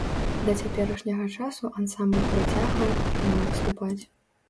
Да цяперашняга часу ансамбль працягвае актыўна выступаць.